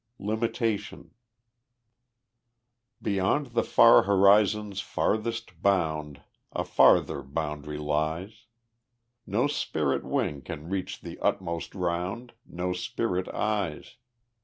Limitation Beyond the far horizon's farthest bound A farther boundary lies; No spirit wing can reach the utmost round, No spirit eyes.